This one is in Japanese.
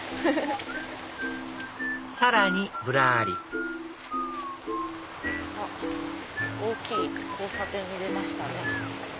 さらにぶらり大きい交差点に出ましたね。